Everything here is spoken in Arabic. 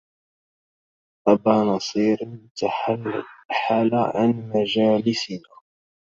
أبا نصير تحلحل عن مجالسنا